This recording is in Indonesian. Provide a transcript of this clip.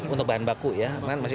untuk bahan baku ya